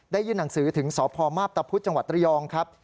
ยื่นหนังสือถึงสพมาพตะพุธจังหวัดระยองครับ